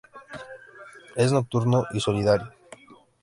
Es nocturno y solitario.